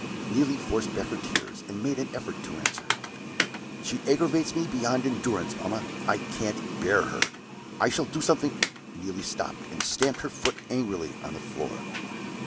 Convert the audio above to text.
Neelie forced back her tears, and made an effort to answer. "She aggravates me beyond endurance, mamma; I can't bear her; I shall do something " Neelie stopped, and stamped her foot angrily on the floor.